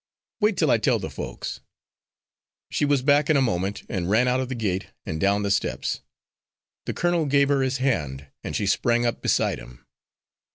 "Wait till I tell the folks." She was back in a moment, and ran out of the gate and down the steps. The colonel gave her his hand and she sprang up beside him.